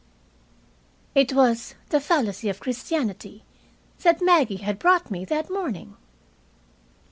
It was "The Fallacy of Christianity" that Maggie had brought me that morning.